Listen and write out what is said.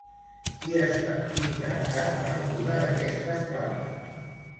Qui està interessat per alguna d'aquestes plantes?